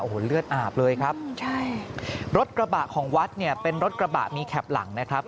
โอ้โหเลือดอาบเลยครับใช่รถกระบะของวัดเนี่ยเป็นรถกระบะมีแคปหลังนะครับ